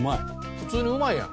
普通にうまいやん。